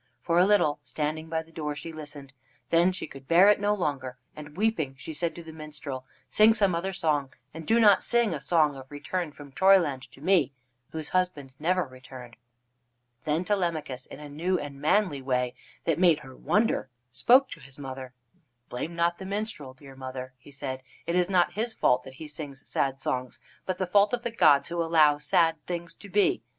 For a little, standing by the door, she listened. Then she could bear it no longer, and, weeping, she said to the minstrel: "Sing some other song, and do not sing a song of return from Troyland to me, whose husband never returned." Then Telemachus, in a new and manly way that made her wonder, spoke to his mother: "Blame not the minstrel, dear mother," he said. "It is not his fault that he sings sad songs, but the fault of the gods who allow sad things to be.